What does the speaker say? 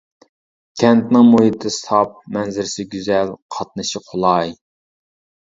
كەنتنىڭ مۇھىتى ساپ، مەنزىرىسى گۈزەل، قاتنىشى قولاي.